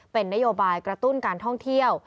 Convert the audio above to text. เป็นนโยบายกระตุ้นการท่องเที่ยว